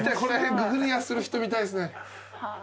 クリアする人見たいですね。